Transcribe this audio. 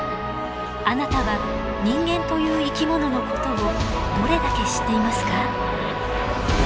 あなたは人間という生き物のことをどれだけ知っていますか？